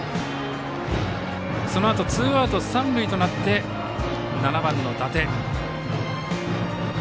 そのあとツーアウト三塁となって７番の伊達。